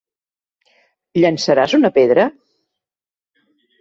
Llençaràs una pedra?